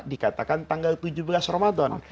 dikatakan tanggal tujuh belas ramadan